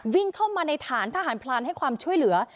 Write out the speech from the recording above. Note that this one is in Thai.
วิ่งเข้ามาในฐานทหารพลานให้ความช่วยเหลือ